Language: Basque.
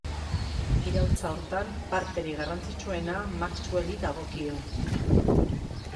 Iraultza horretan, parterik garrantzitsuena Maxwelli dagokio.